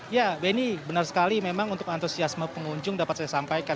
ya benny benar sekali memang untuk antusiasme pengunjung dapat saya sampaikan